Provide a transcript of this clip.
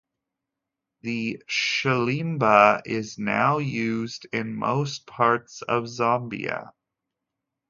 The shilimba is now used in most parts of Zambia.